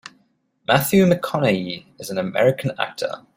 Matthew McConaughey is an American actor.